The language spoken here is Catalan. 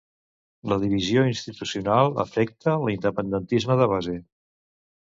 La divisió institucional afecta l'independentisme de base.